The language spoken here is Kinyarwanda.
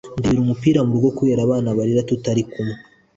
ndebere umupira mu rugo kubera abana barira tutarikumwe